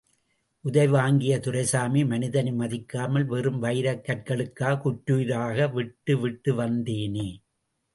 உதை வாங்கிய துரைசாமி, மனிதனை மதிக்காமல், வெறும் வைரக் கற்களுக்கா குற்றுயிராக விட்டுவிட்டு வந்தேனே!